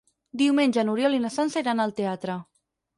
Diumenge n'Oriol i na Sança iran al teatre.